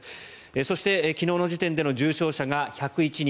そして昨日の時点での重症者が１０１人。